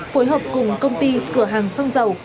phối hợp cùng công ty cửa hàng xăng dầu